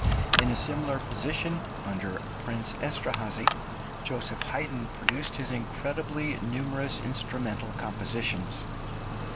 In a similar position, under Prince Esterhazy, Josef Hadyn produced his incredibly numerous instrumental compositions.